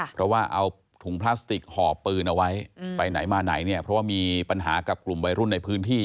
เพราะว่าเอาถุงพลาสติกห่อปืนเอาไว้ไปไหนมาไหนเนี่ยเพราะว่ามีปัญหากับกลุ่มวัยรุ่นในพื้นที่